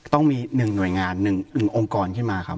ต้องมีหนึ่งหน่วยงานหนึ่งองค์กรขึ้นมาครับ